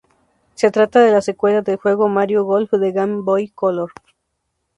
Se trata de la secuela del juego Mario Golf de Game Boy Color.